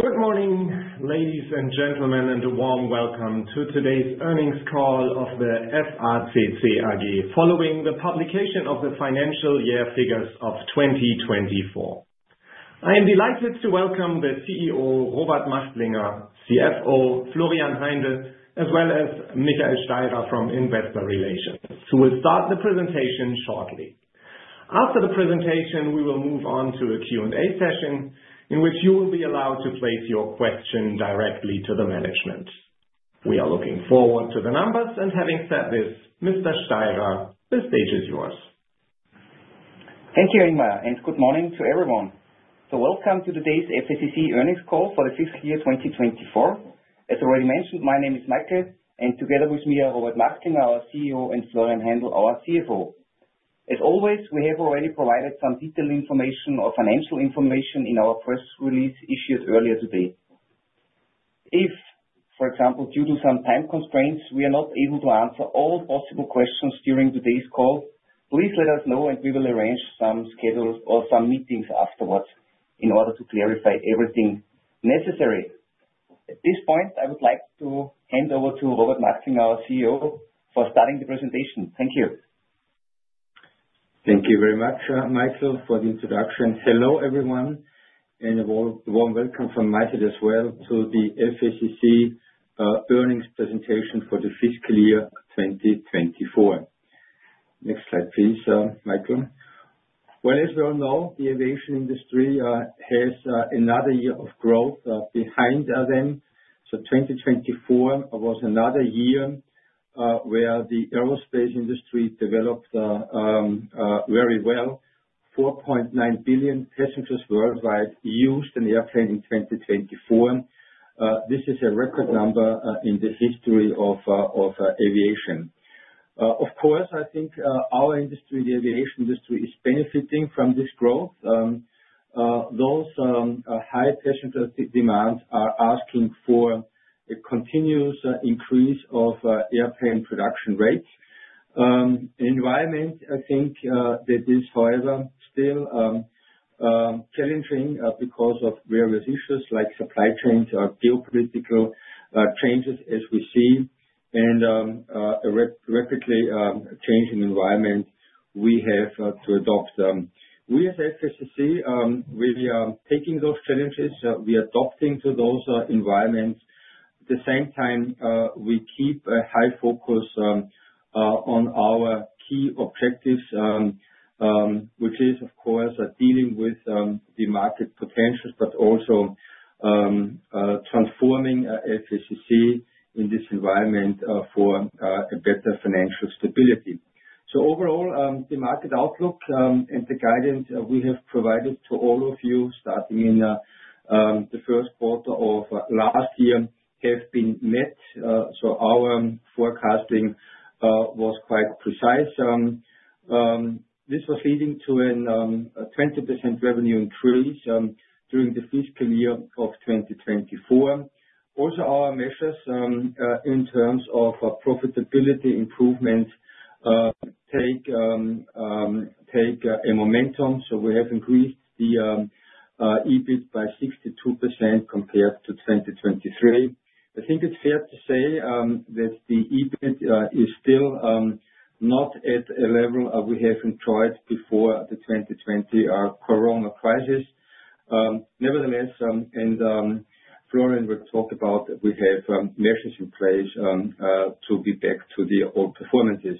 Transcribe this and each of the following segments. Good morning, ladies and gentlemen, and a warm welcome to today's earnings call of FACC AG, following the publication of the financial year figures of 2024. I am delighted to welcome the CEO, Robert Machtlinger, CFO, Florian Heindl, as well as Michael Steirer from Investor Relations, who will start the presentation shortly. After the presentation, we will move on to a Q&A session in which you will be allowed to place your question directly to the management. We are looking forward to the numbers, and having said this, Mr. Steirer, the stage is yours. Thank you, Ingmar, and good morning to everyone. Welcome to today's FACC earnings call for the fiscal year 2024. As already mentioned, my name is Michael, and together with me are Robert Machtlinger, our CEO, and Florian Heindl, our CFO. As always, we have already provided some detailed information or financial information in our press release issued earlier today. If, for example, due to some time constraints, we are not able to answer all possible questions during today's call, please let us know, and we will arrange some schedules or some meetings afterwards in order to clarify everything necessary. At this point, I would like to hand over to Robert Machtlinger, our CEO, for starting the presentation. Thank you. Thank you very much, Michael, for the introduction. Hello, everyone, and a warm welcome from Michael as well to the FACC earnings presentation for the fiscal year 2024. Next slide, please, Michael. As we all know, the aviation industry has another year of growth behind them. 2024 was another year where the aerospace industry developed very well. 4.9 billion passengers worldwide used an airplane in 2024. This is a record number in the history of aviation. Of course, I think our industry, the aviation industry, is benefiting from this growth. Those high passenger demands are asking for a continuous increase of airplane production rates. Environment, I think, that is, however, still challenging because of various issues like supply chains or geopolitical changes, as we see, and a rapidly changing environment we have to adopt. We, as FACC, we are taking those challenges. We are adapting to those environments. At the same time, we keep a high focus on our key objectives, which is, of course, dealing with the market potentials, but also transforming FACC in this environment for a better financial stability. Overall, the market outlook and the guidance we have provided to all of you starting in the first quarter of last year have been met. Our forecasting was quite precise. This was leading to a 20% revenue increase during the fiscal year of 2024. Also, our measures in terms of profitability improvement take a momentum. We have increased the EBIT by 62% compared to 2023. I think it's fair to say that the EBIT is still not at a level we have enjoyed before the 2020 corona crisis. Nevertheless, and Florian will talk about that, we have measures in place to be back to the old performances.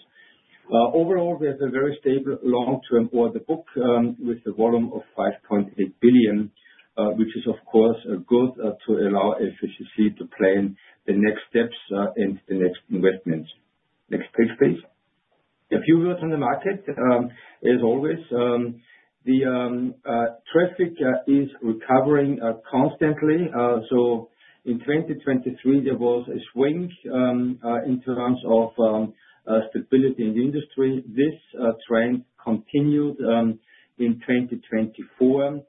Overall, we have a very stable long-term order book with a volume of 5.8 billion, which is, of course, good to allow FACC to plan the next steps and the next investments. Next page, please. A few words on the market. As always, the traffic is recovering constantly. In 2023, there was a swing in terms of stability in the industry. This trend continued in 2024,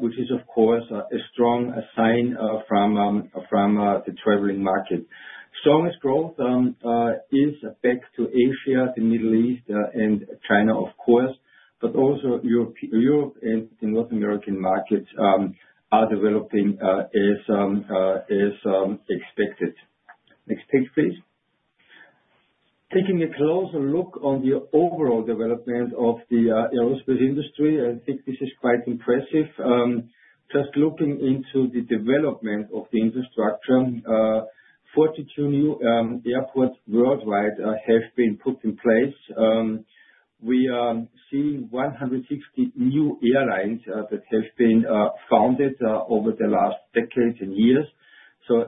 which is, of course, a strong sign from the traveling market. Strongest growth is back to Asia, the Middle East, and China, of course, but also Europe and the North American markets are developing as expected. Next page, please. Taking a closer look on the overall development of the aerospace industry, I think this is quite impressive. Just looking into the development of the infrastructure, 42 new airports worldwide have been put in place. We are seeing 160 new airlines that have been founded over the last decades and years,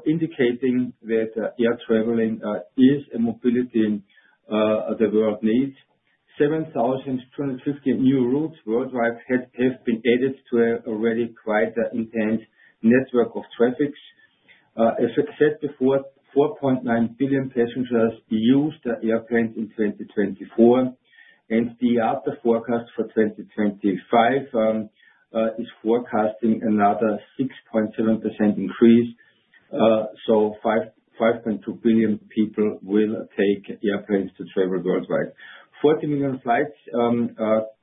indicating that air traveling is a mobility the world needs. 7,250 new routes worldwide have been added to an already quite intense network of traffics. As I said before, 4.9 billion passengers used airplanes in 2024, and the after-forecast for 2025 is forecasting another 6.7% increase. 5.2 billion people will take airplanes to travel worldwide. 40 million flights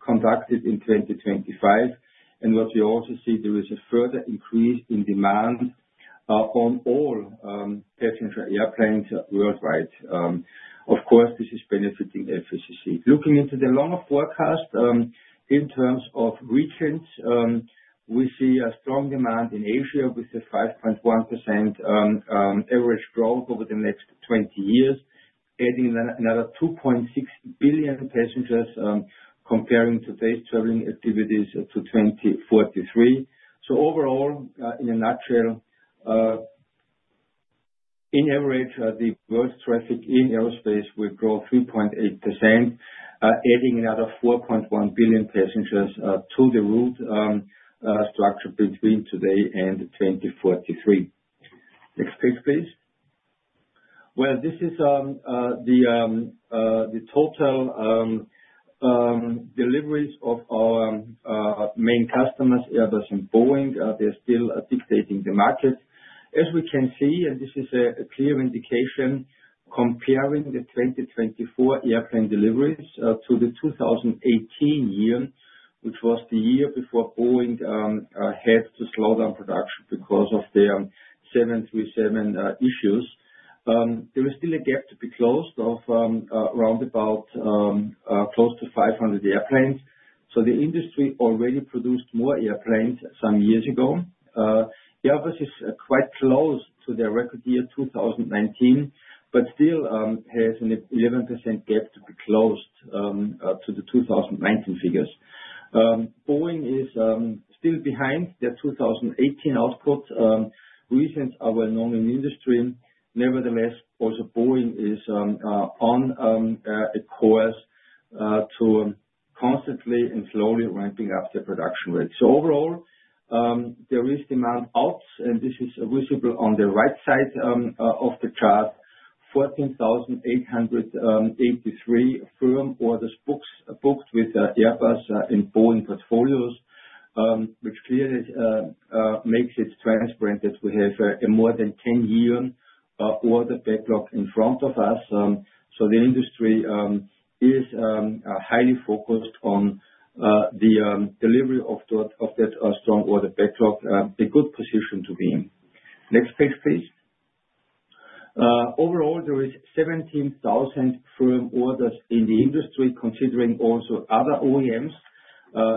conducted in 2025. What we also see, there is a further increase in demand on all passenger airplanes worldwide. Of course, this is benefiting FACC. Looking into the longer forecast in terms of regions, we see a strong demand in Asia with a 5.1% average growth over the next 20 years, adding another 2.6 billion passengers comparing today's traveling activities to 2043. Overall, in a nutshell, in average, the world's traffic in aerospace will grow 3.8%, adding another 4.1 billion passengers to the route structure between today and 2043. Next page, please. This is the total deliveries of our main customers, Airbus and Boeing. They are still dictating the market. As we can see, and this is a clear indication, comparing the 2024 airplane deliveries to the 2018 year, which was the year before Boeing had to slow down production because of their 737 MAX issues, there is still a gap to be closed of around about close to 500 airplanes. The industry already produced more airplanes some years ago. Airbus is quite close to their record year 2019, but still has an 11% gap to be closed to the 2019 figures. Boeing is still behind their 2018 output. Reasons are well known in the industry. Nevertheless, also Boeing is on a course to constantly and slowly ramping up their production rate. Overall, there is demand out, and this is visible on the right side of the chart. 14,883 firm orders booked with Airbus and Boeing portfolios, which clearly makes it transparent that we have a more than 10-year order backlog in front of us. The industry is highly focused on the delivery of that strong order backlog, a good position to be in. Next page, please. Overall, there are 17,000 firm orders in the industry, considering also other OEMs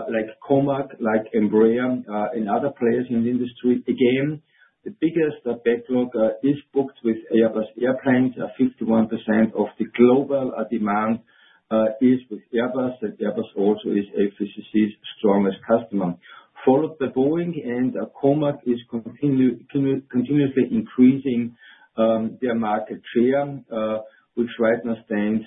like COMAC, like Embraer, and other players in the industry. Again, the biggest backlog is booked with Airbus airplanes. 51% of the global demand is with Airbus, and Airbus also is FACC's strongest customer. Followed by Boeing, and COMAC is continuously increasing their market share, which right now stands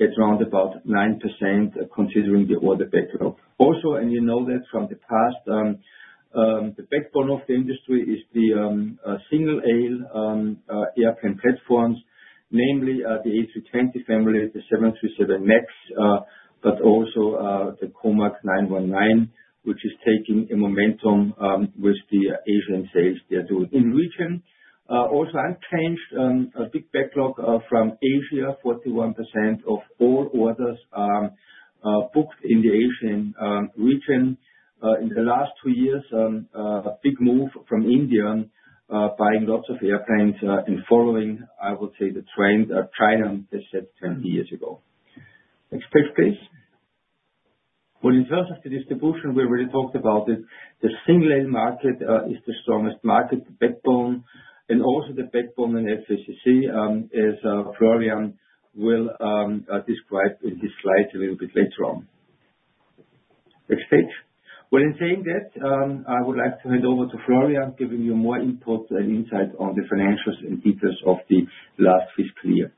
at around about 9%, considering the order backlog. Also, and you know that from the past, the backbone of the industry is the single-aisle airplane platforms, namely the Airbus A320 family, the 737 MAX, but also the COMAC C919, which is taking a momentum with the Asian sales they are doing. In region, also unchanged, a big backlog from Asia. 41% of all orders booked in the Asian region. In the last two years, a big move from India buying lots of airplanes and following, I would say, the trend of China they said 20 years ago. Next page, please. In terms of the distribution, we already talked about it. The single-aisle market is the strongest market, the backbone, and also the backbone in FACC, as Florian will describe in his slides a little bit later on. Next page. In saying that, I would like to hand over to Florian, giving you more input and insight on the financials and details of the last fiscal year.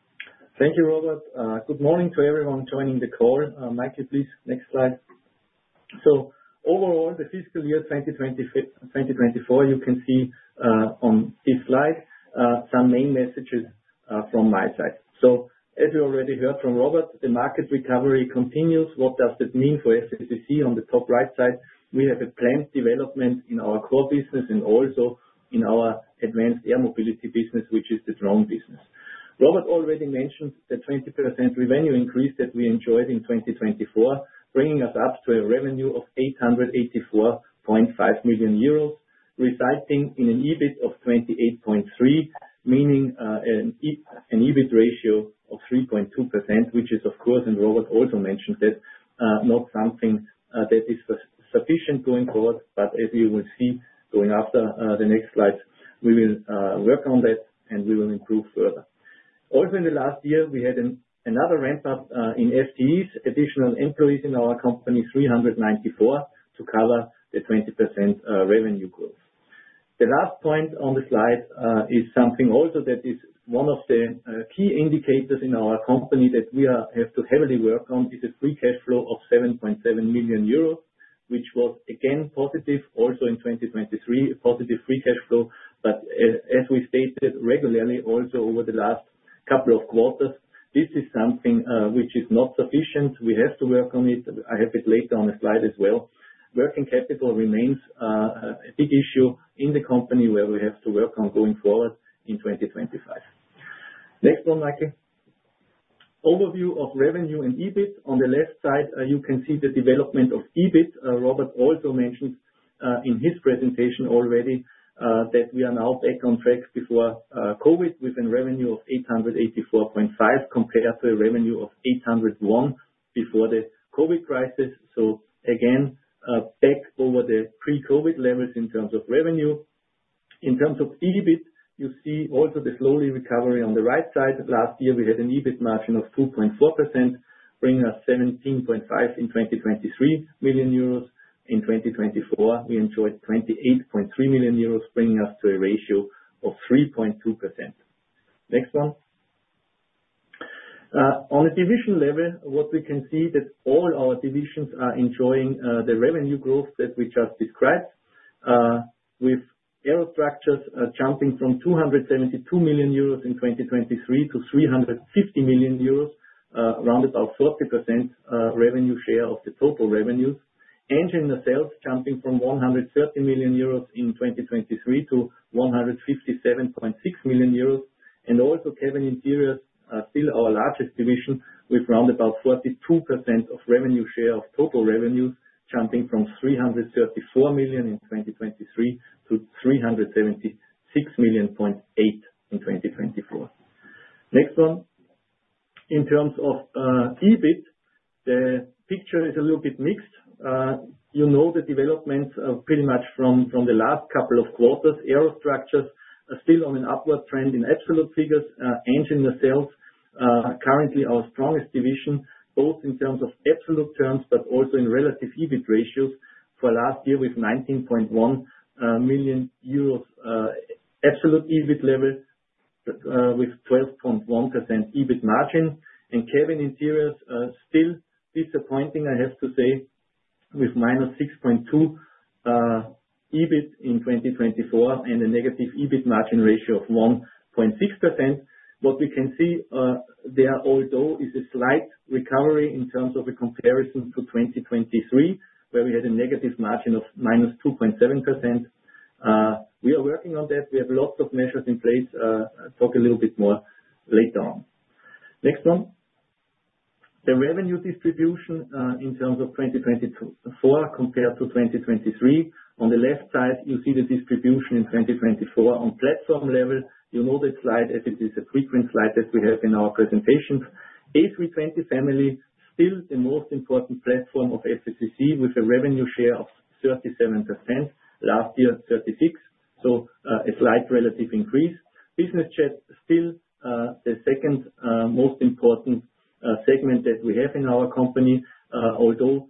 Thank you, Robert. Good morning to everyone joining the call. Michael, please, next slide. Overall, the fiscal year 2024, you can see on this slide some main messages from my side. As you already heard from Robert, the market recovery continues. What does that mean for FACC? On the top right side, we have a planned development in our core business and also in our advanced air mobility business, which is the drone business. Robert already mentioned the 20% revenue increase that we enjoyed in 2024, bringing us up to a revenue of 884.5 million euros, resulting in an EBIT of 28.3 million, meaning an EBIT ratio of 3.2%, which is, of course, and Robert also mentioned that, not something that is sufficient going forward, but as you will see going after the next slides, we will work on that and we will improve further. Also, in the last year, we had another ramp-up in FTEs, additional employees in our company, 394, to cover the 20% revenue growth. The last point on the slide is something also that is one of the key indicators in our company that we have to heavily work on is a free cash flow of 7.7 million euros, which was again positive also in 2023, positive free cash flow, but as we stated regularly also over the last couple of quarters, this is something which is not sufficient. We have to work on it. I have it later on the slide as well. Working capital remains a big issue in the company where we have to work on going forward in 2025. Next one, Michael. Overview of revenue and EBIT. On the left side, you can see the development of EBIT. Robert also mentioned in his presentation already that we are now back on track before COVID with a revenue of 884.5 million compared to a revenue of 801 million before the COVID crisis. Again, back over the pre-COVID levels in terms of revenue. In terms of EBIT, you see also the slowly recovery on the right side. Last year, we had an EBIT margin of 2.4%, bringing us 17.5 million in 2023. In 2024, we enjoyed 28.3 million euros, bringing us to a ratio of 3.2%. Next one. On a division level, what we can see is that all our divisions are enjoying the revenue growth that we just described, with aerostructures jumping from 272 million euros in 2023 to 350 million euros, around about 40% revenue share of the total revenues. Engine nacelles jumping from 130 million euros in 2023 to 157.6 million euros. Also, cabin interiors are still our largest division, with around about 42% of revenue share of total revenues, jumping from 334 million in 2023 to 376.8 million in 2024. Next one. In terms of EBIT, the picture is a little bit mixed. You know the developments pretty much from the last couple of quarters. Aero structures are still on an upward trend in absolute figures. Engine nacelles currently are our strongest division, both in absolute terms, but also in relative EBIT ratios for last year with 19.1 million euros absolute EBIT level with 12.1% EBIT margin. Cabin interiors still disappointing, I have to say, with minus 6.2 million EBIT in 2024 and a negative EBIT margin ratio of 1.6%. What we can see there, although, is a slight recovery in terms of a comparison to 2023, where we had a negative margin of -2.7%. We are working on that. We have lots of measures in place. I'll talk a little bit more later on. Next one. The revenue distribution in terms of 2024 compared to 2023. On the left side, you see the distribution in 2024 on platform level. You know that slide as it is a frequent slide that we have in our presentations. Airbus A320 family, still the most important platform of FACC with a revenue share of 37%. Last year, 36%. A slight relative increase. Business jet still the second most important segment that we have in our company, although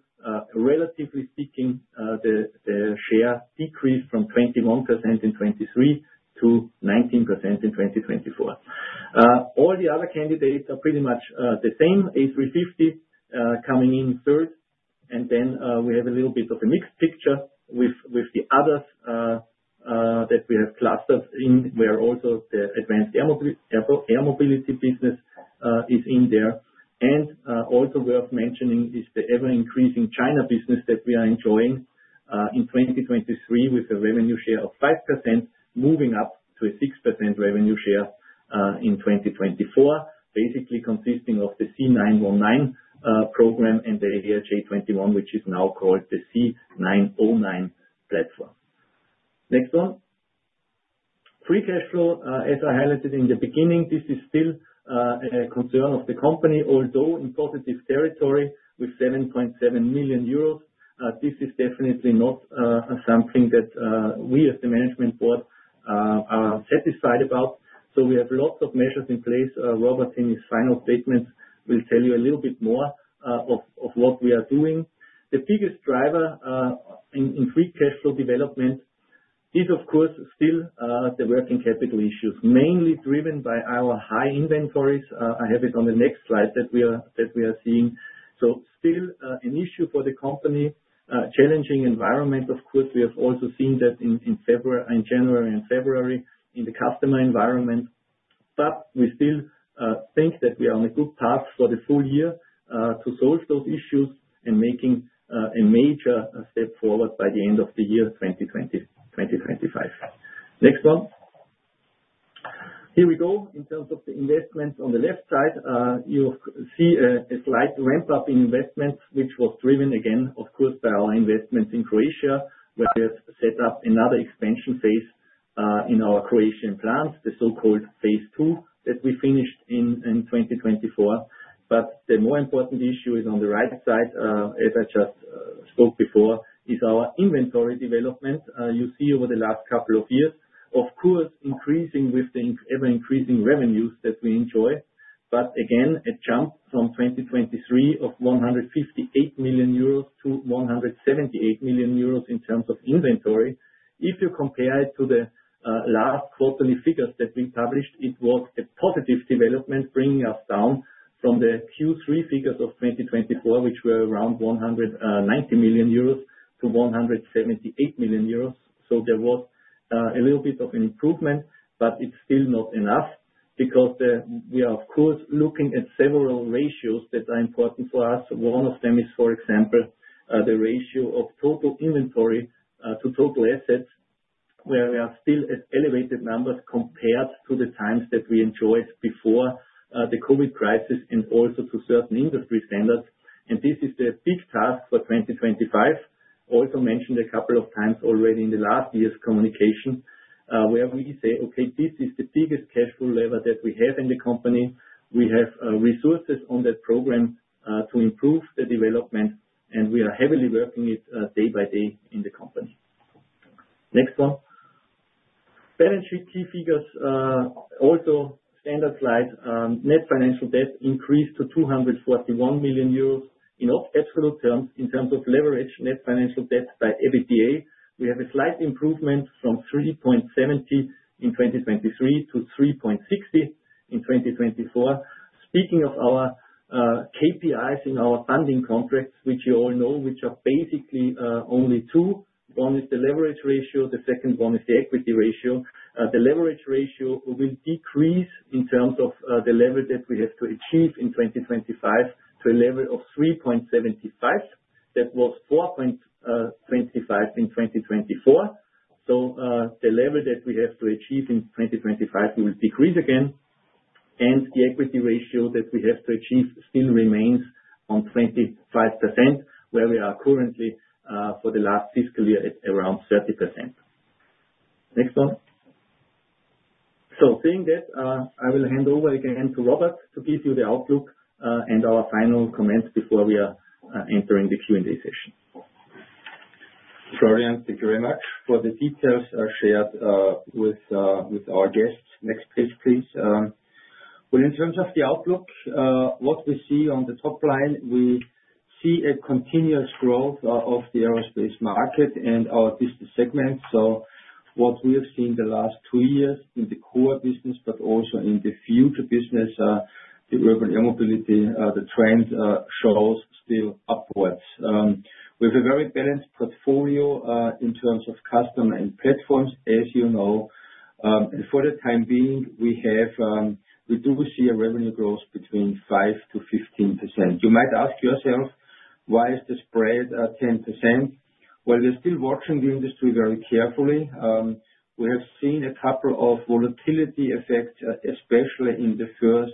relatively speaking, the share decreased from 21% in 2023 to 19% in 2024. All the other candidates are pretty much the same. Airbus A350 coming in third. We have a little bit of a mixed picture with the others that we have clustered in, where also the advanced air mobility business is in there. Also worth mentioning is the ever-increasing China business that we are enjoying in 2023 with a revenue share of 5%, moving up to a 6% revenue share in 2024, basically consisting of the C919 program and the ARJ21, which is now called the C909 platform. Next one. Free cash flow, as I highlighted in the beginning, this is still a concern of the company, although in positive territory with 7.7 million euros. This is definitely not something that we as the management board are satisfied about. We have lots of measures in place. Robert, in his final statements, will tell you a little bit more of what we are doing. The biggest driver in free cash flow development is, of course, still the working capital issues, mainly driven by our high inventories. I have it on the next slide that we are seeing. Still an issue for the company, challenging environment. Of course, we have also seen that in January and February in the customer environment. We still think that we are on a good path for the full year to solve those issues and making a major step forward by the end of the year 2025. Next one. Here we go. In terms of the investments on the left side, you see a slight ramp-up in investments, which was driven, again, of course, by our investments in Croatia, where we have set up another expansion phase in our Croatian plans, the so-called phase two that we finished in 2024. The more important issue is on the right side, as I just spoke before, is our inventory development. You see over the last couple of years, of course, increasing with the ever-increasing revenues that we enjoy. Again, a jump from 2023 of 158 million euros to 178 million euros in terms of inventory. If you compare it to the last quarterly figures that we published, it was a positive development, bringing us down from the Q3 figures of 2024, which were around 190 million-178 million euros. There was a little bit of an improvement, but it's still not enough because we are, of course, looking at several ratios that are important for us. One of them is, for example, the ratio of total inventory to total assets, where we are still at elevated numbers compared to the times that we enjoyed before the COVID crisis and also to certain industry standards. This is the big task for 2025. Also mentioned a couple of times already in the last year's communication, where we say, okay, this is the biggest cash flow lever that we have in the company. We have resources on that program to improve the development, and we are heavily working it day by day in the company. Next one. Balance sheet key figures, also standard slide. Net financial debt increased to 241 million euros in absolute terms. In terms of leverage, net financial debt by EBITDA, we have a slight improvement from 3.70 in 2023 to 3.60 in 2024. Speaking of our KPIs in our funding contracts, which you all know, which are basically only two. One is the leverage ratio. The second one is the equity ratio. The leverage ratio will decrease in terms of the level that we have to achieve in 2025 to a level of 3.75. That was 4.25 in 2024. The level that we have to achieve in 2025 will decrease again. The equity ratio that we have to achieve still remains at 25%, where we are currently for the last fiscal year at around 30%. Next one. Saying that, I will hand over again to Robert to give you the outlook and our final comments before we are entering the Q&A session. Florian, thank you very much for the details shared with our guests. Next page, please. In terms of the outlook, what we see on the top line, we see a continuous growth of the aerospace market and our business segment. What we have seen the last two years in the core business, but also in the future business, the urban air mobility, the trend shows still upwards. We have a very balanced portfolio in terms of customer and platforms, as you know. For the time being, we do see a revenue growth between 5%-15%. You might ask yourself, why is the spread 10%? We are still watching the industry very carefully. We have seen a couple of volatility effects, especially in the first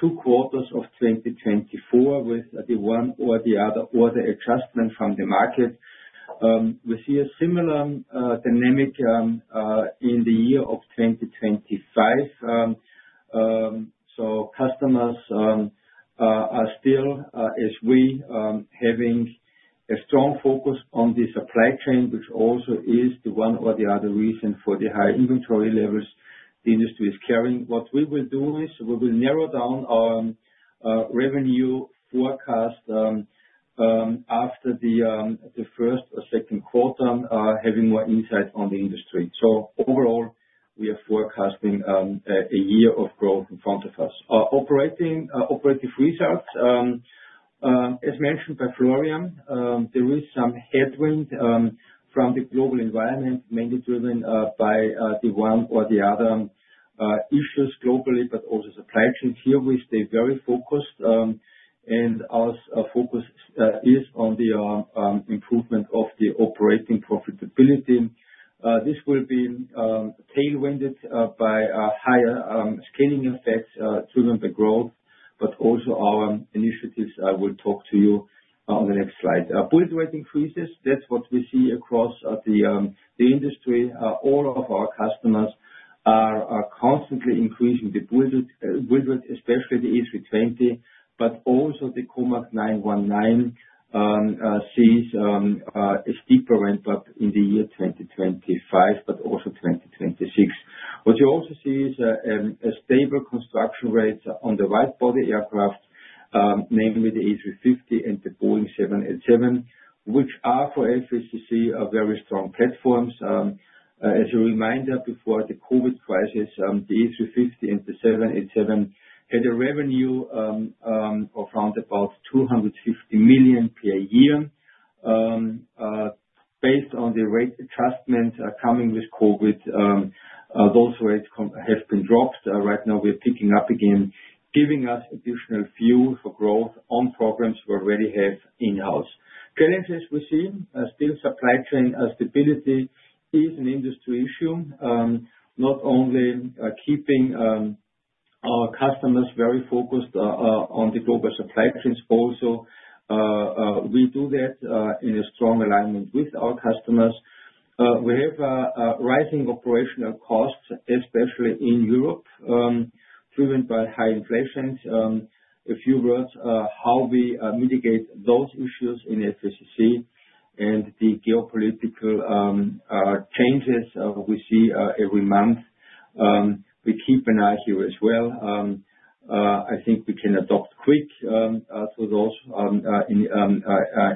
two quarters of 2024, with the one or the other order adjustment from the market. We see a similar dynamic in the year of 2025. Customers are still, as we, having a strong focus on the supply chain, which also is the one or the other reason for the high inventory levels the industry is carrying. What we will do is narrow down our revenue forecast after the first or second quarter, having more insight on the industry. Overall, we are forecasting a year of growth in front of us. Operative results, as mentioned by Florian, there is some headwind from the global environment, mainly driven by the one or the other issues globally, but also supply chain. Here we stay very focused, and our focus is on the improvement of the operating profitability. This will be tailwinded by higher scaling effects driven by growth, but also our initiatives. I will talk to you on the next slide. Build rate increases. That's what we see across the industry. All of our customers are constantly increasing the build rate, especially the Airbus A320, but also the COMAC C919 sees a steeper ramp-up in the year 2025, but also 2026. What you also see is a stable construction rate on the wide-body aircraft, namely the Airbus A350 and the Boeing 787, which are for FACC very strong platforms. As a reminder, before the COVID crisis, the Airbus A350 and the Boeing 787 had a revenue of around about 250 million per year. Based on the rate adjustment coming with COVID, those rates have been dropped. Right now, we are picking up again, giving us additional fuel for growth on programs we already have in-house. Challenges we see, still supply chain stability is an industry issue, not only keeping our customers very focused on the global supply chains. Also, we do that in a strong alignment with our customers. We have rising operational costs, especially in Europe, driven by high inflations. A few words how we mitigate those issues in FACC and the geopolitical changes we see every month. We keep an eye here as well. I think we can adopt quick through those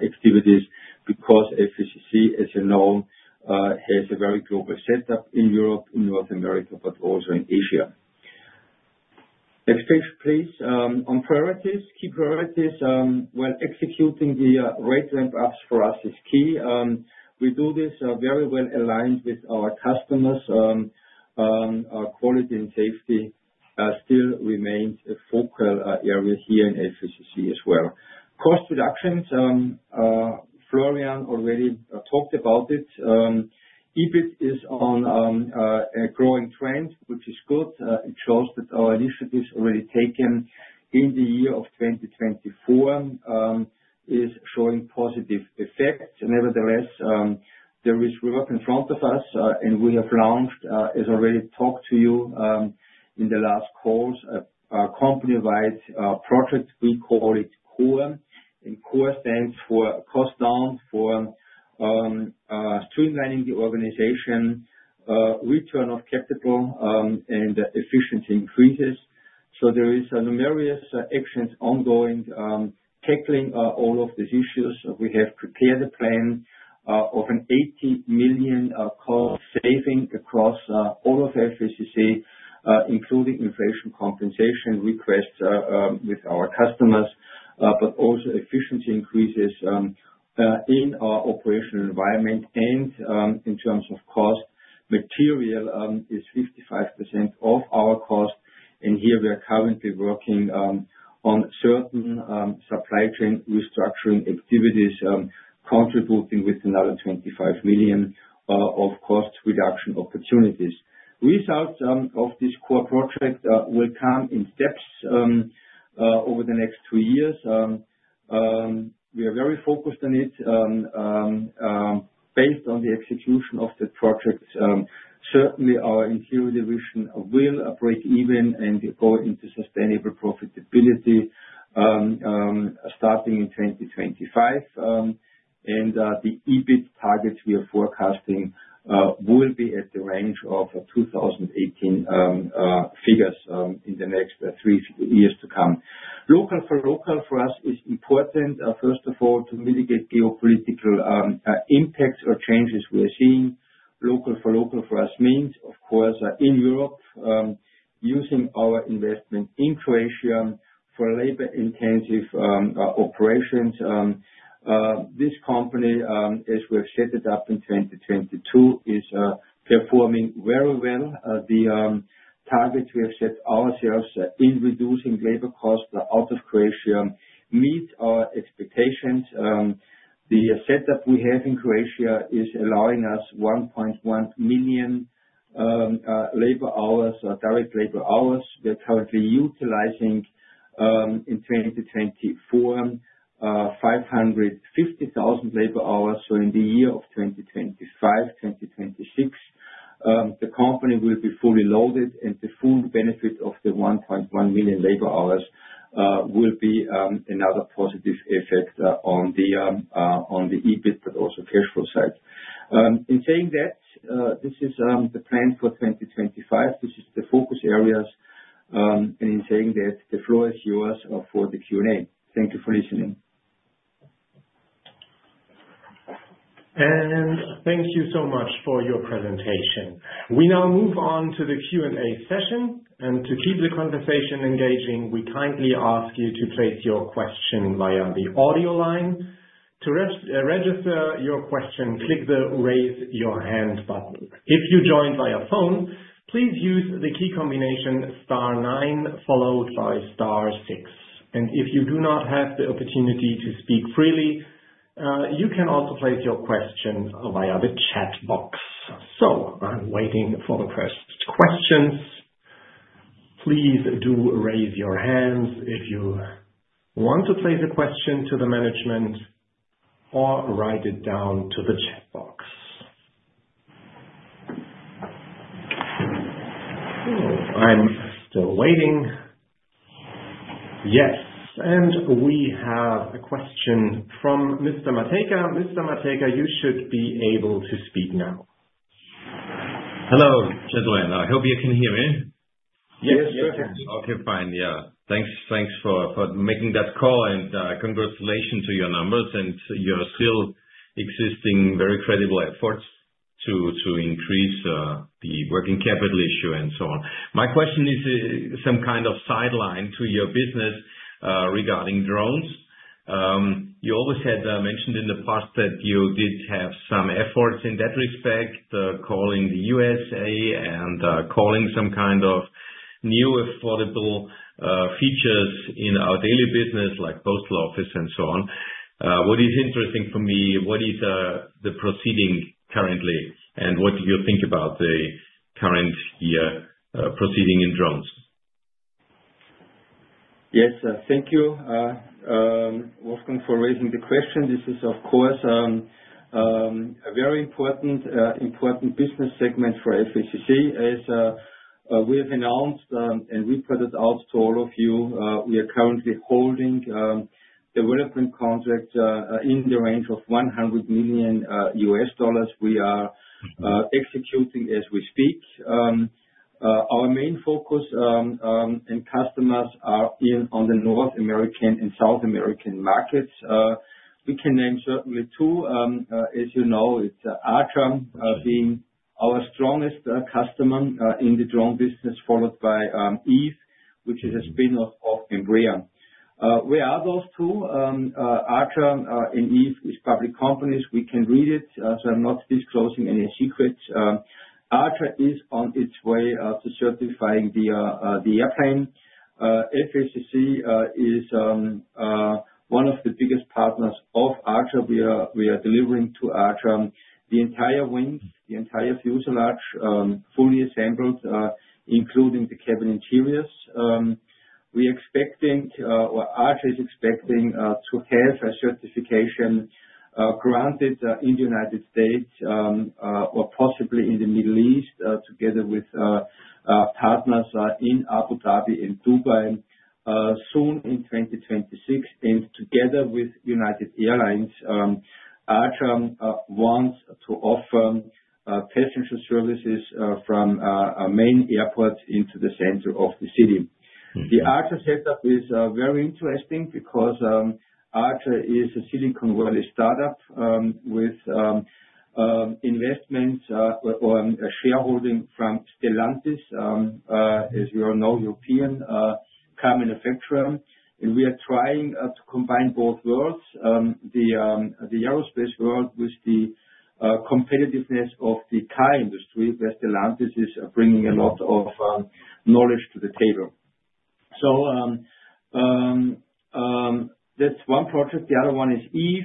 activities because FACC, as you know, has a very global setup in Europe, in North America, but also in Asia. Next page, please. On priorities, key priorities, executing the rate ramp-ups for us is key. We do this very well aligned with our customers. Quality and safety still remains a focal area here in FACC as well. Cost reductions, Florian already talked about it. EBIT is on a growing trend, which is good. It shows that our initiatives already taken in the year of 2024 is showing positive effects. Nevertheless, there is work in front of us, and we have launched, as I already talked to you in the last calls, a company-wide project. We call it CORE. CORE stands for COSTS Down for Streamlining the ORGANIZATION, RETURN ON CAPITAL, and EFFICIENCY Increases. There are numerous actions ongoing tackling all of these issues. We have prepared a plan of 80 million cost saving across all of FACC, including inflation compensation requests with our customers, but also efficiency increases in our operational environment. In terms of cost, material is 55% of our cost. Here we are currently working on certain supply chain restructuring activities, contributing with another 25 million of cost reduction opportunities. Results of this core project will come in steps over the next two years. We are very focused on it based on the execution of the projects. Certainly, our interior division will break even and go into sustainable profitability starting in 2025. The EBIT targets we are forecasting will be at the range of 2018 figures in the next three years to come. Local for local for us is important. First of all, to mitigate geopolitical impacts or changes we are seeing. Local for local for us means, of course, in Europe, using our investment in Croatia for labor-intensive operations. This company, as we have set it up in 2022, is performing very well. The targets we have set ourselves in reducing labor costs out of Croatia meet our expectations. The setup we have in Croatia is allowing us 1.1 million labor hours, direct labor hours. We are currently utilizing in 2024, 550,000 labor hours. In the year of 2025, 2026, the company will be fully loaded, and the full benefit of the 1.1 million labor hours will be another positive effect on the EBIT, but also cash flow side. In saying that, this is the plan for 2025. This is the focus areas. In saying that, the floor is yours for the Q&A. Thank you for listening. Thank you so much for your presentation. We now move on to the Q&A session. To keep the conversation engaging, we kindly ask you to place your question via the audio line. To register your question, click the raise your hand button. If you joined via phone, please use the key combination star nine followed by star six. If you do not have the opportunity to speak freely, you can also place your question via the chat box. I am waiting for the first questions. Please do raise your hands if you want to place a question to the management or write it down in the chat box. I am still waiting. Yes. We have a question from Mr. Matejka. Mr. Matejka, you should be able to speak now. Hello, gentlemen. I hope you can hear me. Yes, you are hearing me. Okay, fine. Yeah. Thanks for making that call. Congratulations to your numbers and your still existing very credible efforts to increase the working capital issue and so on. My question is some kind of sideline to your business regarding drones. You always had mentioned in the past that you did have some efforts in that respect, calling the USA and calling some kind of new affordable features in our daily business, like postal office and so on. What is interesting for me? What is the proceeding currently? What do you think about the current year proceeding in drones? Yes, thank you, Wolfgang, for raising the question. This is, of course, a very important business segment for FACC. As we have announced and we put it out to all of you, we are currently holding development contracts in the range of $100 million we are executing as we speak. Our main focus and customers are in the North American and South American markets. We can name certainly two. As you know, it's Archer being our strongest customer in the drone business, followed by Eve, which is a spinoff of Embraer. Where are those two? Archer and Eve are public companies. We can read it, so I'm not disclosing any secrets. Archer is on its way to certifying the airplane. FACC is one of the biggest partners of Archer. We are delivering to Archer the entire wing, the entire fuselage, fully assembled, including the cabin interiors. We are expecting, or Archer is expecting, to have a certification granted in the United States or possibly in the Middle East together with partners in Abu Dhabi and Dubai soon in 2026. Together with United Airlines, Archer wants to offer passenger services from main airports into the center of the city. The Archer setup is very interesting because Archer is a Silicon Valley startup with investments or shareholding from Stellantis, as you all know, European car manufacturer. We are trying to combine both worlds, the aerospace world with the competitiveness of the car industry, where Stellantis is bringing a lot of knowledge to the table. That is one project. The other one is Eve.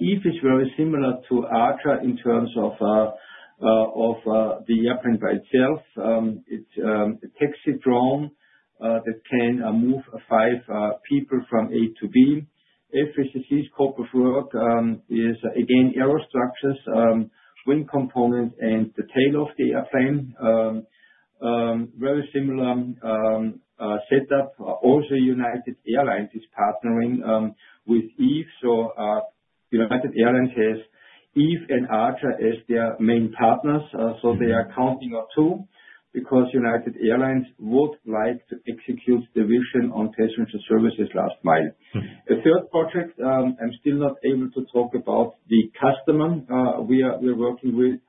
Eve is very similar to Archer in terms of the airplane by itself. It is a taxi drone that can move five people from A to B. FACC's scope of work is, again, aero structures, wing components, and the tail of the airplane. Very similar setup. United Airlines is also partnering with Eve. United Airlines has Eve and Archer as their main partners. They are counting on two because United Airlines would like to execute the vision on passenger services last mile. The third project, I'm still not able to talk about the customer we are working with,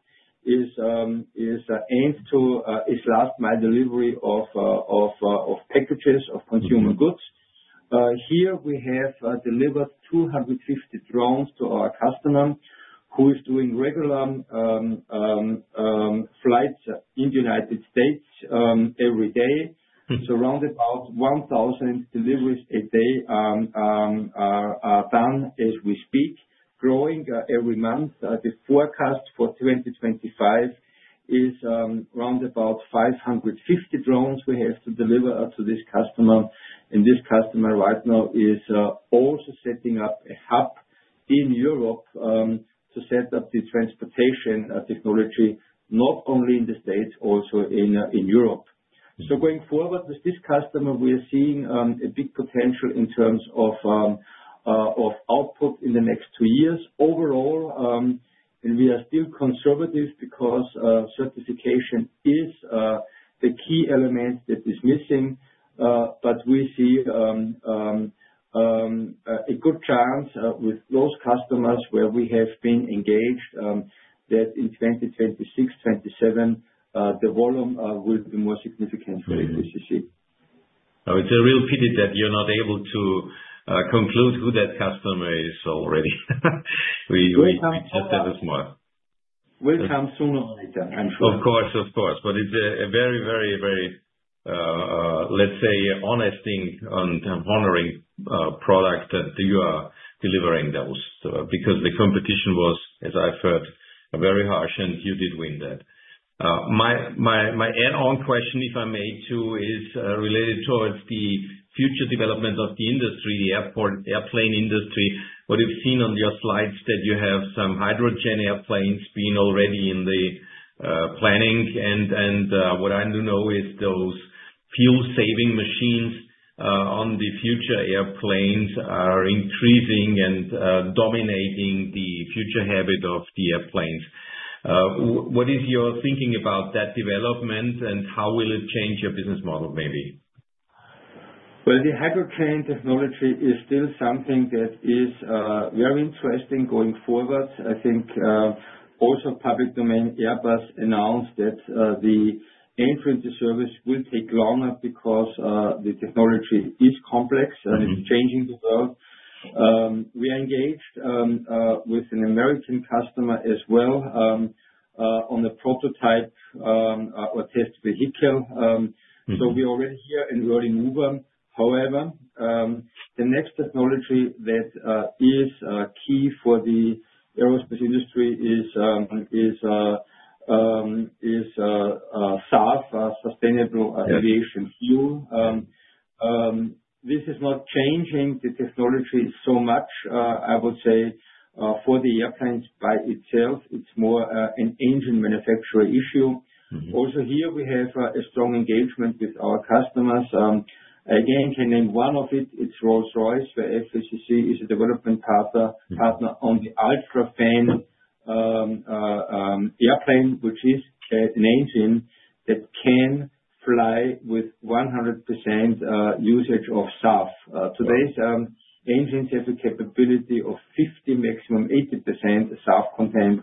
is aimed to last mile delivery of packages of consumer goods. Here, we have delivered 250 drones to our customer who is doing regular flights in the United States every day. It's around about 1,000 deliveries a day done as we speak, growing every month. The forecast for 2025 is around about 550 drones we have to deliver to this customer. This customer right now is also setting up a hub in Europe to set up the transportation technology, not only in the States, also in Europe. Going forward with this customer, we are seeing a big potential in terms of output in the next two years. Overall, we are still conservative because certification is the key element that is missing. We see a good chance with those customers where we have been engaged that in 2026, 2027, the volume will be more significant for FACC. It's a real pity that you're not able to conclude who that customer is already. We just have a small. We'll come sooner or later, I'm sure. Of course, of course. It's a very, very, very, let's say, honest thing and honoring product that you are delivering those because the competition was, as I've heard, very harsh, and you did win that. My end-on question, if I may, too, is related towards the future development of the industry, the airplane industry. What you've seen on your slides that you have some hydrogen airplanes being already in the planning. What I do know is those fuel-saving machines on the future airplanes are increasing and dominating the future habit of the airplanes. What is your thinking about that development, and how will it change your business model, maybe? The hydrogen technology is still something that is very interesting going forward. I think also public domain Airbus announced that the airframe service will take longer because the technology is complex and it's changing the world. We are engaged with an American customer as well on a prototype or test vehicle. We are already here in early model. However, the next technology that is key for the aerospace industry is SAF, Sustainable Aviation Fuel. This is not changing the technology so much, I would say, for the airplanes by itself. It's more an engine manufacturer issue. Also here, we have a strong engagement with our customers. Again, can name one of it, it's Rolls-Royce, where FACC is a development partner on the UltraFan airplane, which is an engine that can fly with 100% usage of SAF. Today's engines have a capability of 50%, maximum 80% SAF content.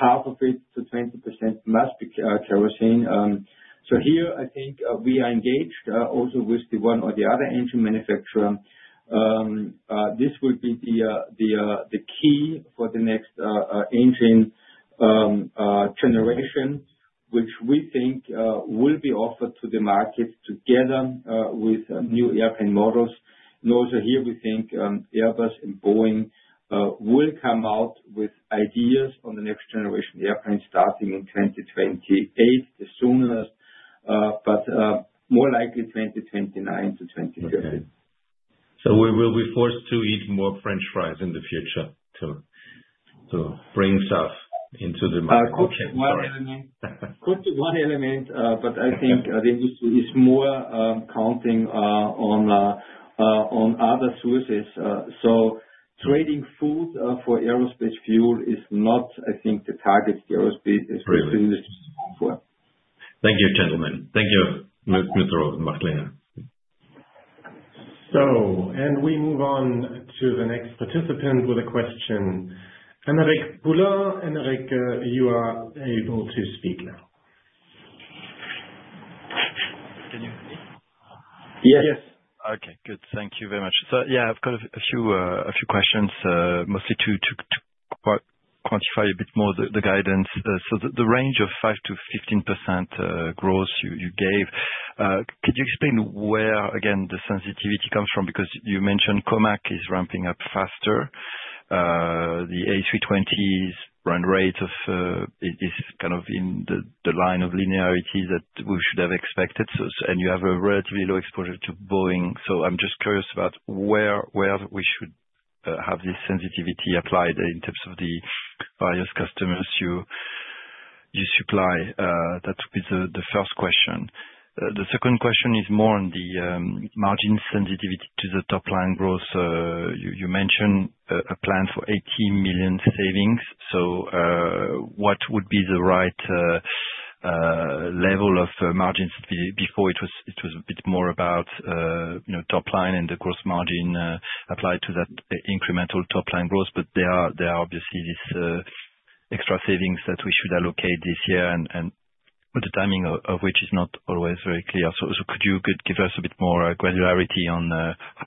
Half of it to 20% must be kerosene. Here, I think we are engaged also with the one or the other engine manufacturer. This will be the key for the next engine generation, which we think will be offered to the market together with new airplane models. Also here, we think Airbus and Boeing will come out with ideas on the next generation airplanes starting in 2028, the soonest, but more likely 2029 to 2030. We will be forced to eat more french fries in the future to bring SAF into the market. Could be one element. Could be one element, but I think the industry is more counting on other sources. Trading food for aerospace fuel is not, I think, the target the aerospace industry is looking for. Thank you, gentlemen. Thank you, Mr. Robert Machtlinger. We move on to the next participant with a question. Aymeric Poulain, Aymeric, you are able to speak now. Can you hear me? Yes. Yes. Okay. Good. Thank you very much. Yeah, I've got a few questions, mostly to quantify a bit more the guidance. The range of 5-15% growth you gave, could you explain where, again, the sensitivity comes from? Because you mentioned Comac is ramping up faster. The Airbus A320's run rate is kind of in the line of linearity that we should have expected. You have a relatively low exposure to Boeing. I'm just curious about where we should have this sensitivity applied in terms of the various customers you supply. That would be the first question. The second question is more on the margin sensitivity to the top line growth. You mentioned a plan for 18 million savings. What would be the right level of margin? Before, it was a bit more about top line and the gross margin applied to that incremental top line growth. There are obviously these extra savings that we should allocate this year, and the timing of which is not always very clear. Could you give us a bit more granularity on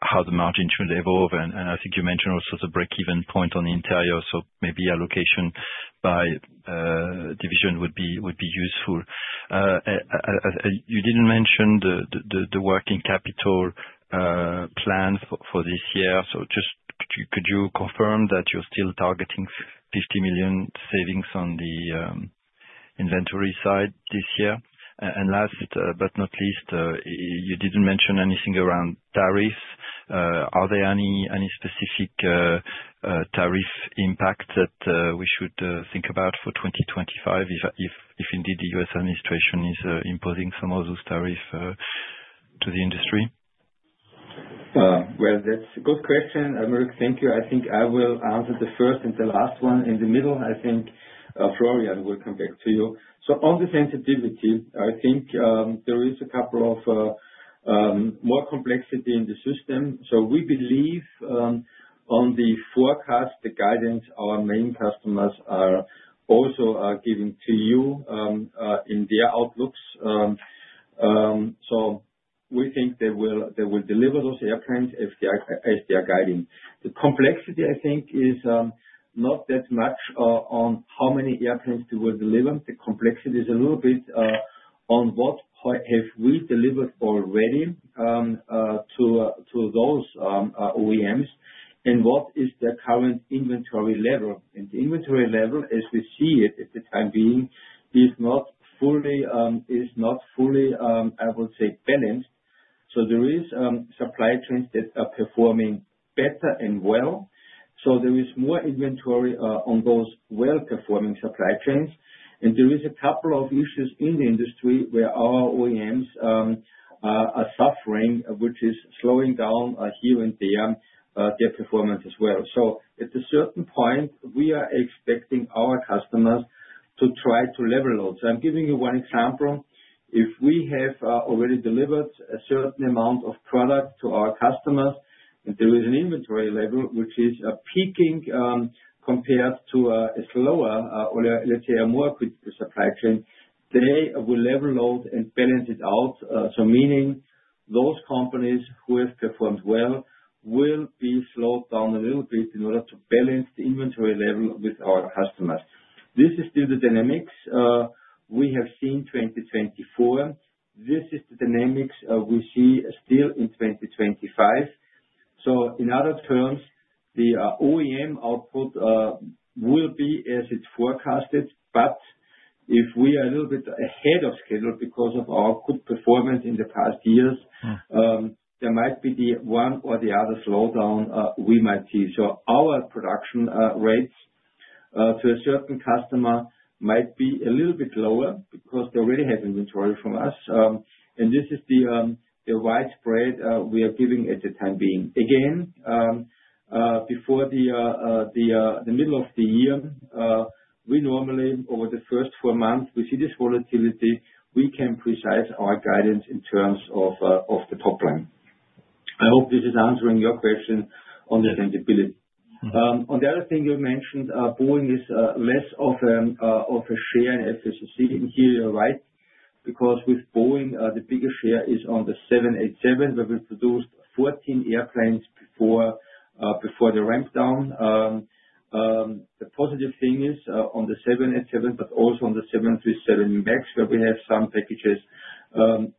how the margin should evolve? I think you mentioned also the break-even point on the interior. Maybe allocation by division would be useful. You did not mention the working capital plan for this year. Could you confirm that you're still targeting 50 million savings on the inventory side this year? Last but not least, you didn't mention anything around tariffs. Are there any specific tariff impacts that we should think about for 2025 if indeed the U.S. Administration is imposing some of those tariffs to the industry? That's a good question. Aymeric, thank you. I think I will answer the first and the last one in the middle. I think Florian will come back to you. On the sensitivity, I think there is a couple of more complexity in the system. We believe on the forecast, the guidance, our main customers are also giving to you in their outlooks. We think they will deliver those airplanes as they are guiding. The complexity, I think, is not that much on how many airplanes they will deliver. The complexity is a little bit on what have we delivered already to those OEMs and what is the current inventory level. The inventory level, as we see it at the time being, is not fully, I would say, balanced. There are supply chains that are performing better and well. There is more inventory on those well-performing supply chains. There are a couple of issues in the industry where our OEMs are suffering, which is slowing down here and there their performance as well. At a certain point, we are expecting our customers to try to level out. I'm giving you one example. If we have already delivered a certain amount of product to our customers and there is an inventory level, which is peaking compared to a slower, let's say, a more equipped supply chain, they will level out and balance it out. Meaning those companies who have performed well will be slowed down a little bit in order to balance the inventory level with our customers. This is still the dynamics we have seen in 2024. This is the dynamics we see still in 2025. In other terms, the OEM output will be as it's forecasted. If we are a little bit ahead of schedule because of our good performance in the past years, there might be the one or the other slowdown we might see. Our production rates to a certain customer might be a little bit lower because they already have inventory from us. This is the widespread we are giving at the time being. Again, before the middle of the year, we normally, over the first four months, see this volatility. We can precise our guidance in terms of the top line. I hope this is answering your question on the sensibility. On the other thing you mentioned, Boeing is less of a share in FACC. Here you're right because with Boeing, the bigger share is on the Boeing 787, where we produced 14 airplanes before the ramp down. The positive thing is on the Boeing 787, but also on the Boeing 737 MAX, where we have some packages,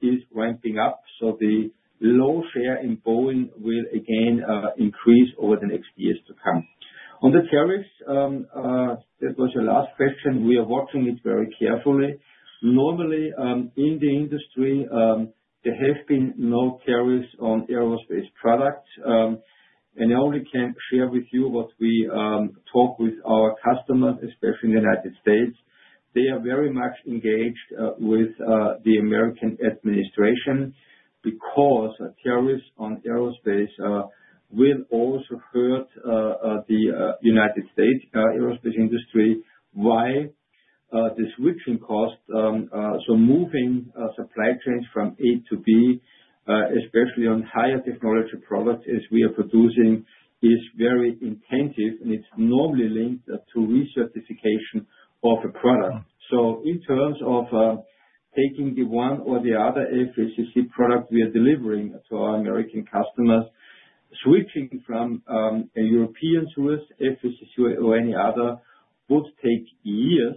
is ramping up. The low share in Boeing will again increase over the next years to come. On the tariffs, that was your last question. We are watching it very carefully. Normally, in the industry, there have been no tariffs on aerospace products. I only can share with you what we talk with our customers, especially in the United States. They are very much engaged with the American Administration because tariffs on aerospace will also hurt the United States aerospace industry. Why? The switching cost, so moving supply chains from A to B, especially on higher technology products as we are producing, is very intensive. It is normally linked to recertification of a product. In terms of taking the one or the other FACC product we are delivering to our American customers, switching from a European source, FACC or any other, would take years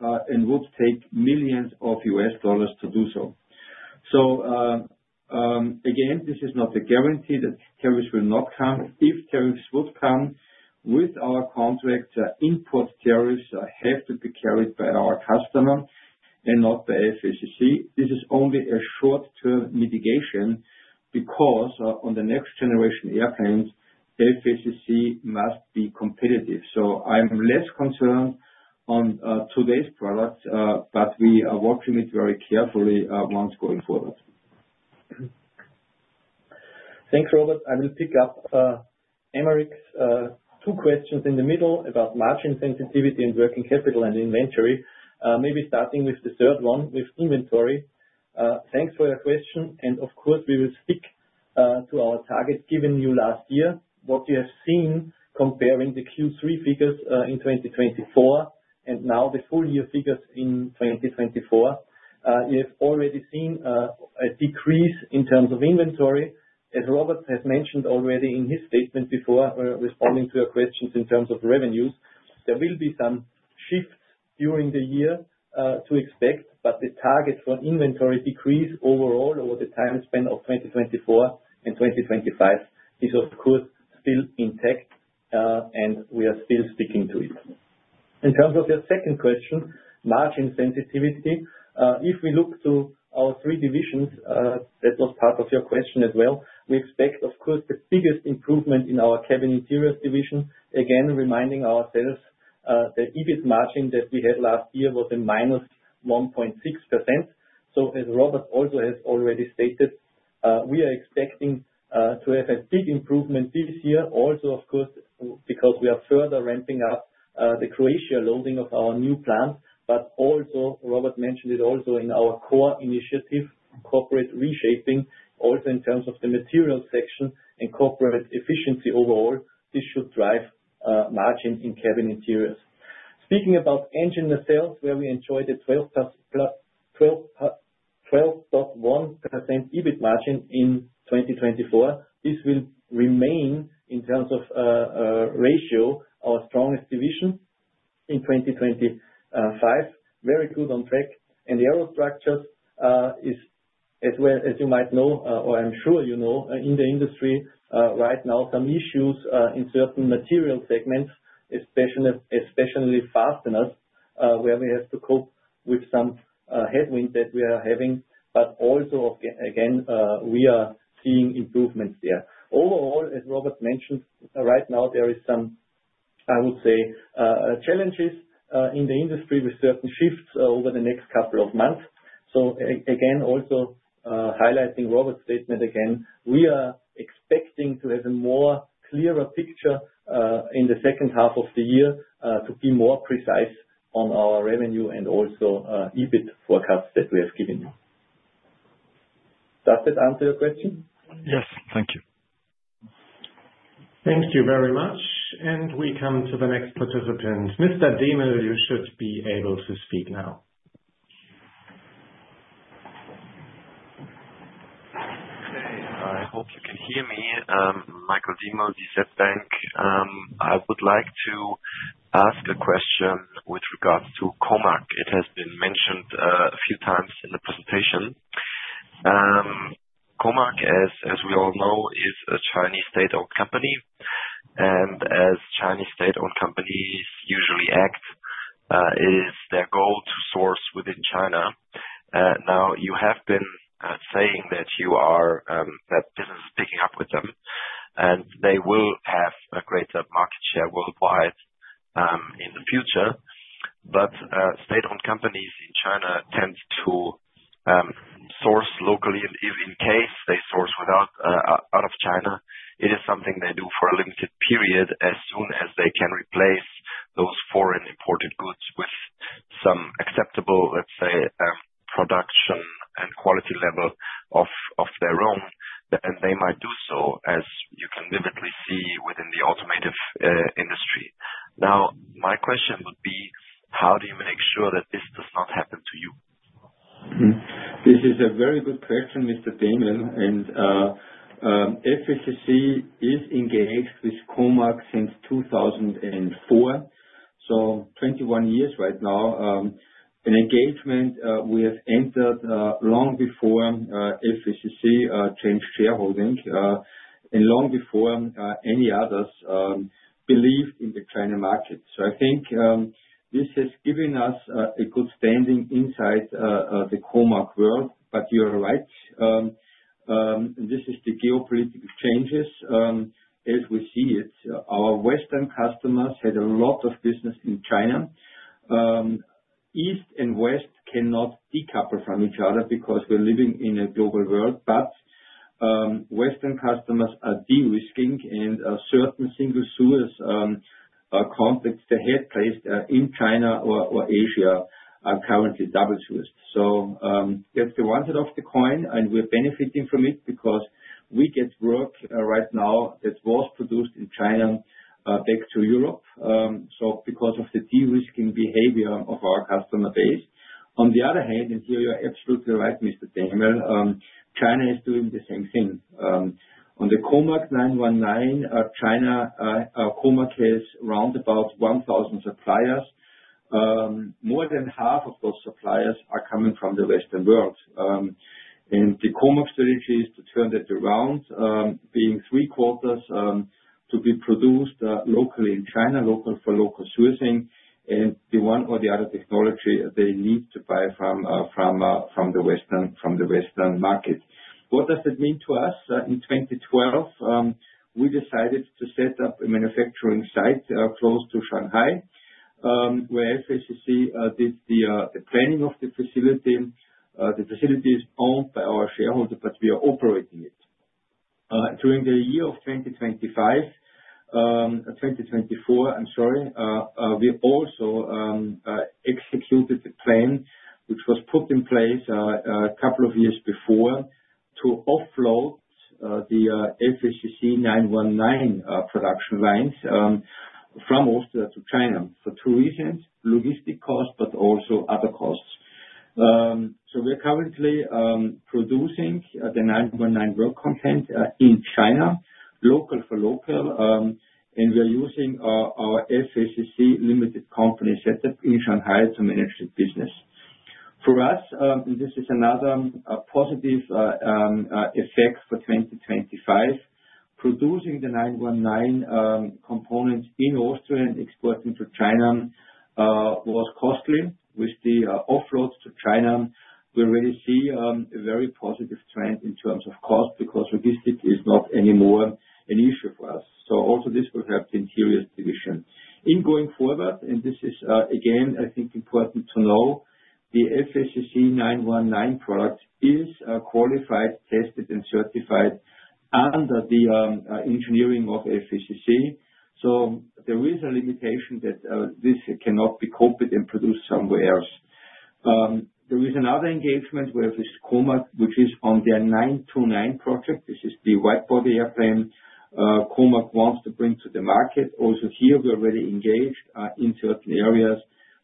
and would take millions of U.S. Dollars to do so. This is not a guarantee that tariffs will not come. If tariffs would come, with our contract, import tariffs have to be carried by our customer and not by FACC. This is only a short-term mitigation because on the next generation airplanes, FACC must be competitive. I am less concerned on today's products, but we are watching it very carefully once going forward. Thanks, Robert. I will pick up, Aymeric, two questions in the middle about margin sensitivity and working capital and inventory. Maybe starting with the third one with inventory. Thanks for your question. Of course, we will stick to our target given you last year. What you have seen comparing the Q3 figures in 2024 and now the full year figures in 2024, you have already seen a decrease in terms of inventory. As Robert has mentioned already in his statement before responding to your questions in terms of revenues, there will be some shifts during the year to expect. The target for inventory decrease overall over the time span of 2024 and 2025 is, of course, still intact, and we are still sticking to it. In terms of your second question, margin sensitivity, if we look to our three divisions, that was part of your question as well, we expect, of course, the biggest improvement in our cabin interiors division. Again, reminding ourselves that EBIT margin that we had last year was a -1.6%. As Robert also has already stated, we are expecting to have a big improvement this year, also, of course, because we are further ramping up the Croatia loading of our new plant. Robert mentioned it also in our core initiative, corporate reshaping, also in terms of the materials section and corporate efficiency overall, this should drive margin in cabin interiors. Speaking about engine nacelles, where we enjoyed a 12.1% EBIT margin in 2024, this will remain in terms of ratio our strongest division in 2025. Very good on track. The aero structures is, as you might know, or I'm sure you know, in the industry right now, some issues in certain material segments, especially fasteners, where we have to cope with some headwind that we are having. Also, again, we are seeing improvements there. Overall, as Robert mentioned, right now, there are some, I would say, challenges in the industry with certain shifts over the next couple of months. Again, also highlighting Robert's statement again, we are expecting to have a more clearer picture in the second half of the year to be more precise on our revenue and also EBIT forecasts that we have given. Does that answer your question? Yes. Thank you. Thank you very much. We come to the next participant. Mr. Diemel, you should be able to speak now. Okay. I hope you can hear me. Michael Diemel, DZ Bank. I would like to ask a question with regards to COMAC. It has been mentioned a few times in the presentation. COMAC, as we all know, is a Chinese state-owned company. As Chinese state-owned companies usually act, it is their goal to source within China. Now, you have been saying that business is picking up with them, and they will have a greater market share worldwide in the future. State-owned companies in China tend to source locally. If in case they source out of China, it is something they do for a limited period. As soon as they can replace those foreign imported goods with some acceptable, let's say, production and quality level of their own, they might do so, as you can vividly see within the automotive industry. My question would be, how do you make sure that this does not happen to you? This is a very good question, Mr. Diemel. FACC is engaged with COMAC since 2004, so 21 years right now. Engagement, we have entered long before FACC changed shareholding and long before any others believed in the China market. I think this has given us a good standing inside the COMAC world. You're right. This is the geopolitical changes as we see it. Our Western customers had a lot of business in China. East and West cannot decouple from each other because we're living in a global world. Western customers are de-risking, and certain single source complex they had placed in China or Asia are currently double sourced. That's the one side of the coin. We're benefiting from it because we get work right now that was produced in China back to Europe because of the de-risking behavior of our customer base. On the other hand, and here you're absolutely right, Mr. Diemel, China is doing the same thing. On the COMAC C919, China COMAC has round about 1,000 suppliers. More than half of those suppliers are coming from the Western world. The COMAC strategy is to turn that around, being three quarters to be produced locally in China, local for local sourcing. The one or the other technology they need to buy from the Western market. What does that mean to us? In 2012, we decided to set up a manufacturing site close to Shanghai where FACC did the planning of the facility. The facility is owned by our shareholder, but we are operating it. During the year of 2024, I'm sorry, we also executed the plan which was put in place a couple of years before to offload the FACC C919 production lines from Austria to China for two reasons: logistic costs, but also other costs. We are currently producing the C919 work content in China, local for local. We are using our FACC Limited company setup in Shanghai to manage the business. For us, and this is another positive effect for 2025, producing the C919 components in Austria and exporting to China was costly. With the offload to China, we really see a very positive trend in terms of cost because logistics is not anymore an issue for us. This will also help the interiors division. In going forward, and this is again, I think, important to know, the FACC C919 product is qualified, tested, and certified under the engineering of FACC. There is a limitation that this cannot be copied and produced somewhere else. There is another engagement with COMAC, which is on their C929 project. This is the wide-body airplane COMAC wants to bring to the market. Also here, we're already engaged in certain areas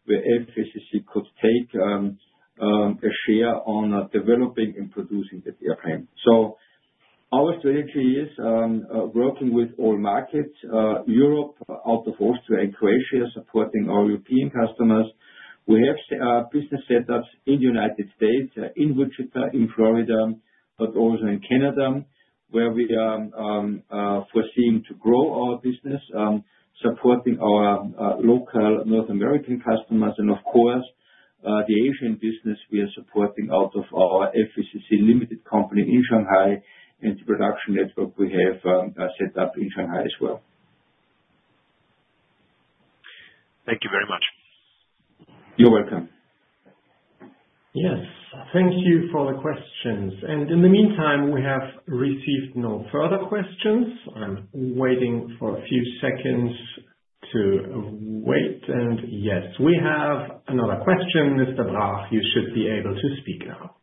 where FACC could take a share on developing and producing that airplane. Our strategy is working with all markets: Europe, out of Austria and Croatia, supporting our European customers. We have business setups in the United States, in Wichita, in Florida, but also in Canada, where we are foreseeing to grow our business, supporting our local North American customers. Of course, the Asian business we are supporting out of our FACC limited company in Shanghai and the production network we have set up in Shanghai as well. Thank you very much. You're welcome. Yes. Thank you for the questions. In the meantime, we have received no further questions. I'm waiting for a few seconds to wait. Yes, we have another question. Mr. Brach, you should be able to speak now.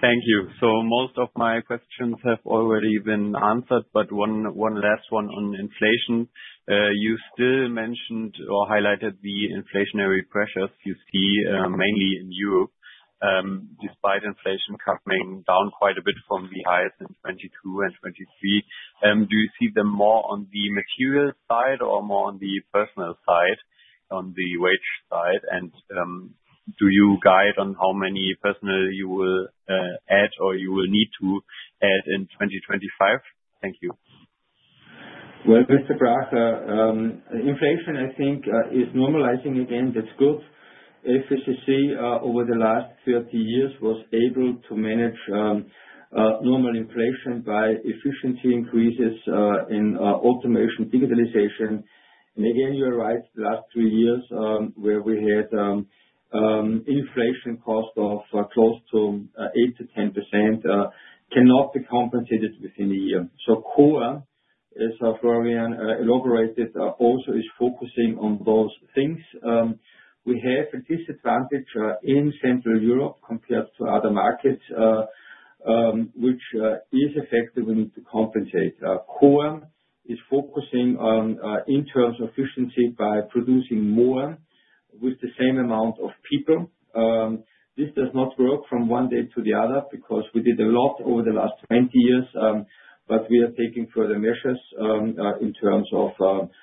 Thank you. Most of my questions have already been answered, but one last one on inflation. You still mentioned or highlighted the inflationary pressures you see mainly in Europe, despite inflation coming down quite a bit from the highest in 2022 and 2023. Do you see them more on the material side or more on the personnel side, on the wage side? Do you guide on how many personnel you will add or you will need to add in 2025? Thank you. Mr. Brach, inflation, I think, is normalizing again. That's good. FACC, over the last 30 years, was able to manage normal inflation by efficiency increases in automation, digitalization. You're right, the last three years where we had inflation cost of close to 8%-10% cannot be compensated within a year. CORE, as Florian elaborated, also is focusing on those things. We have a disadvantage in Central Europe compared to other markets, which is effective; we need to compensate. CORE is focusing on internal efficiency by producing more with the same amount of people. This does not work from one day to the other because we did a lot over the last 20 years, but we are taking further measures in terms of increasing efficiency.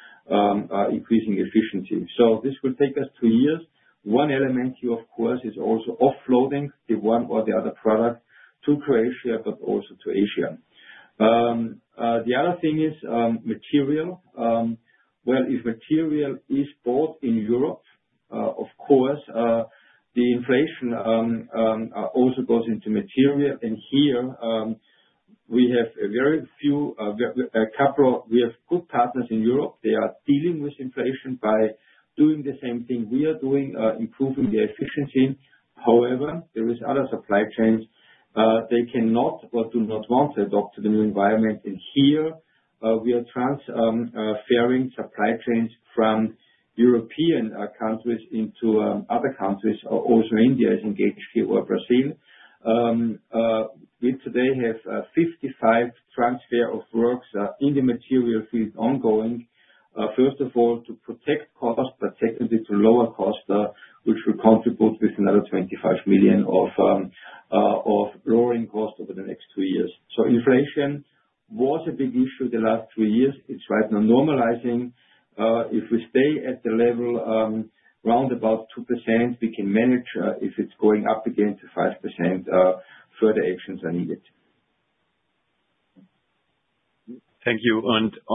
This will take us two years. One element, of course, is also offloading the one or the other product to Croatia, but also to Asia. The other thing is material. If material is bought in Europe, of course, the inflation also goes into material. We have very few, a couple of—we have good partners in Europe. They are dealing with inflation by doing the same thing we are doing: improving the efficiency. However, there are other supply chains. They cannot or do not want to adopt the new environment. We are transferring supply chains from European countries into other countries. Also, India is engaged here, or Brazil. We today have 55 transfer of works in the material field ongoing, first of all to protect costs, but secondly to lower costs, which will contribute with another 25 million of lowering costs over the next two years. Inflation was a big issue the last three years. It is right now normalizing. If we stay at the level round about 2%, we can manage. If it is going up again to 5%, further actions are needed. Thank you.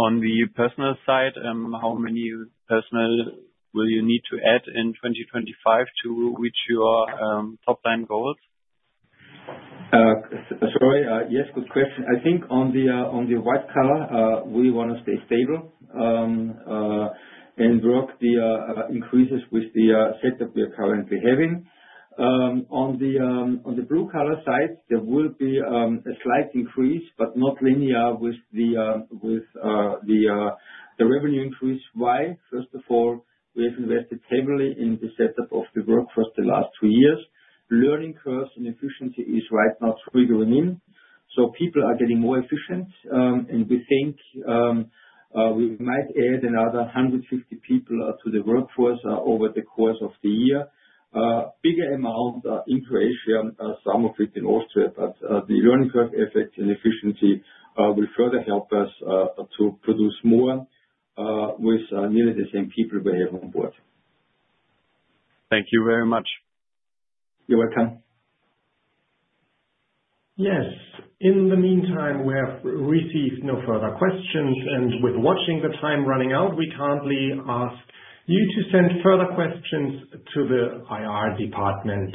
On the personnel side, how many personnel will you need to add in 2025 to reach your top line goals? Sorry. Yes, good question. I think on the white collar, we want to stay stable and work the increases with the setup we are currently having. On the blue collar side, there will be a slight increase, but not linear with the revenue increase. Why? First of all, we have invested heavily in the setup of the workforce the last two years. Learning curves and efficiency is right now triggering in. People are getting more efficient. We think we might add another 150 people to the workforce over the course of the year. Bigger amount in Croatia, some of it in Austria. The learning curve effect and efficiency will further help us to produce more with nearly the same people we have on board. Thank you very much. You're welcome. Yes. In the meantime, we have received no further questions. With watching the time running out, we kindly ask you to send further questions to the IR department.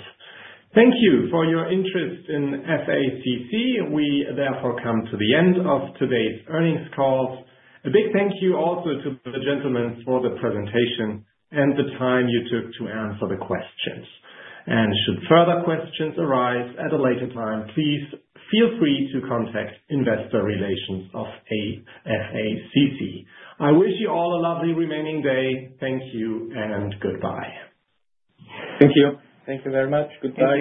Thank you for your interest in FACC. We therefore come to the end of today's earnings call. A big thank you also to the gentlemen for the presentation and the time you took to answer the questions. Should further questions arise at a later time, please feel free to contact investor relations of FACC. I wish you all a lovely remaining day. Thank you and goodbye. Thank you. Thank you very much. Goodbye.